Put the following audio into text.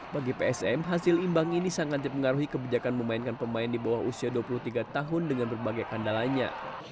bagi psm hasil imbang ini sangat dipengaruhi kebijakan memainkan pemain di bawah usia dua puluh tiga tahun dengan berbagai kandalanya